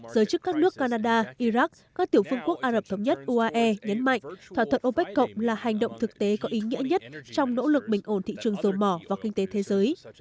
giới chức các nước canada iraq các tiểu phương quốc ả rập thống nhất uae nhấn mạnh thỏa thuận opec cộng là hành động thực tế có ý nghĩa nhất trong nỗ lực bình ổn thị trường dầu mỏ và kinh tế thế giới